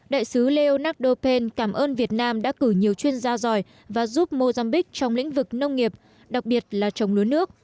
đại sứ leonardo pent cảm ơn việt nam đã cử nhiều chuyên gia giỏi và giúp mozambique trong lĩnh vực nông nghiệp đặc biệt là trồng lúa nước